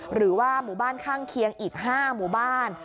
หรือว่าหมู่บ้านข้างเคียงอีก๕หมู่บ้าน